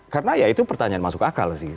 karena ya itu pertanyaan masuk akal sih